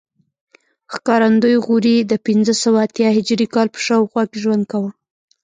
ښکارندوی غوري د پنځه سوه اتیا هجري کال په شاوخوا کې ژوند کاوه